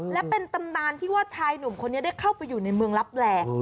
และเป็นตำนานที่ว่าชายหนุ่มคนนี้ได้เข้าไปอยู่ในเมืองลับแหล่